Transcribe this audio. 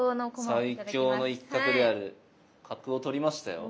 最強の一角である角を取りましたよ。